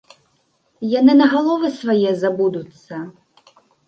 Яны на галовы свае забудуцца.